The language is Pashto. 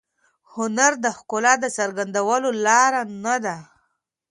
هنر د ښکلا د څرګندولو لاره نه ده.